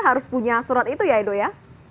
harus punya surat itu ya edo ya